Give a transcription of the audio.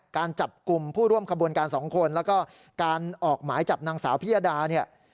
การจับกลุ่มผู้ร่วมขบวนการ๒คนแล้วก็การออกหมายจับนางสาวพิยดาเนี่ย